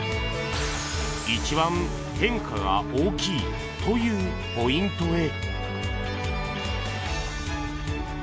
一番変化が大きいというポイントへ。